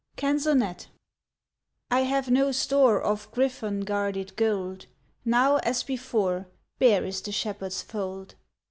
CANZONET I HAVE no store Of gryphon guarded gold; Now, as before, Bare is the shepherd's fold.